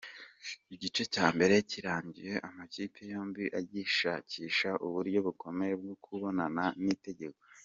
Igice cya mbere kirangiye amakipe yombi agishakisha uburyo bukomeye bwo kubonamo igitego.